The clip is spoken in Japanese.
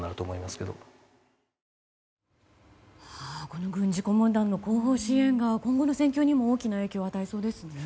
この軍事顧問団の後方支援が今後の戦況にも大きな影響を与えそうですね。